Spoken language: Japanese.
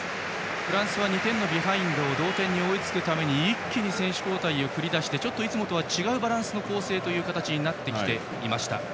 フランスは２点ビハインドを同点に追いつくために一気に選手交代を繰り出していつもとは違うバランスの構成という形になってきていました。